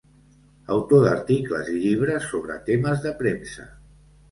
Autor d'articles i llibres sobre temes de premsa.